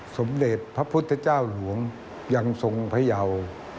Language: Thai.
สมเด็จพระพุทธเจ้าหลวงยังทรงพยาว